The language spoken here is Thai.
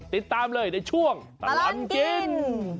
ติดตามเลยในช่วงตลอดกิน